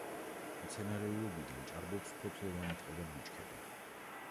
მცენარეულობიდან ჭარბობს ფოთლოვანი ტყე და ბუჩქები.